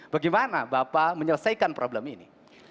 bagaimana bapak menyelesaikan problem ini